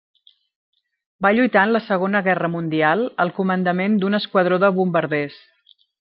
Va lluitar en la Segona Guerra Mundial al comandament d'un esquadró de bombarders.